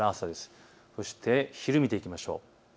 そして昼、見ていきましょう。